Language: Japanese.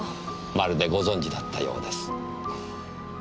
まるでご存じだったようです。